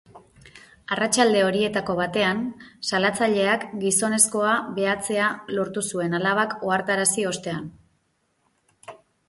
Arratsalde horietako batean, salatzaileak gizonezkoa behatzea lortu zuen, alabak ohartarazi ostean.